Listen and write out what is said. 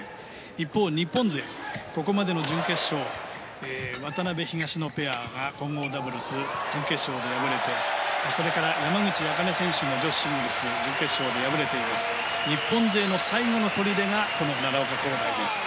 一方、日本勢はここまでの準決勝渡辺、東野ペアが混合ダブルス準決勝で敗れてそれから山口茜選手も女子シングルス準決勝で敗れていますので日本勢の最後のとりでがこの奈良岡功大です。